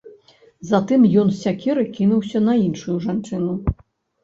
Затым ён з сякерай кінуўся на іншую жанчыну.